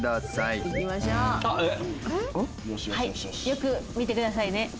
よく見てくださいね。